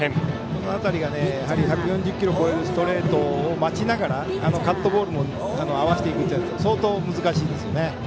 この辺りが１４０キロ超えるストレートを待ちながらカットボールも合わせていくというのは相当、難しいですよね。